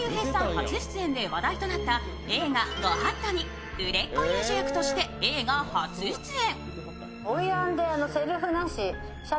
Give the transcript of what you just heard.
初出演で話題となった映画「御法度」に売れっ子遊女役として映画初出演。